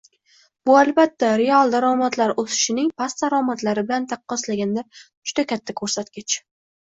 Bu, albatta, real daromadlar o'sishining past daromadlari bilan taqqoslaganda juda katta ko'rsatkich